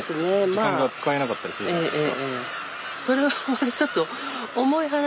時間が使えなかったりするじゃないですか。